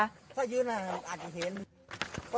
ถ้ายืนอาจจะเห็น